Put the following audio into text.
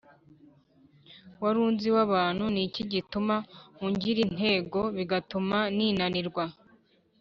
murinzi w’abantu’ ni iki gituma ungira intego, bigatuma ninanirwa’